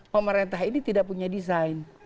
pemerintah ini tidak punya desain